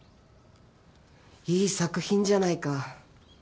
いい作品じゃないか。